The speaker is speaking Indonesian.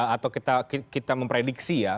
atau kita memprediksi ya